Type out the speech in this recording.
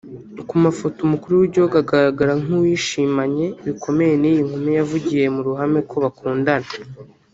Ku mafoto Umukuru w’Igihugu agaragara nk’uwari wishimanye bikomeye n’iyi nkumi yavugiye mu ruhame ko bakundana